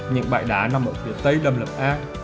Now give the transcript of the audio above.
những bãi đá nằm ở phía tây lầm lập an